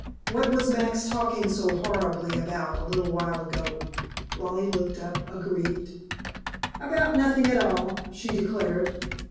"What was Max talking so horribly about a little while ago?" Lollie looked up aggrieved. "About nothing at all," she declared.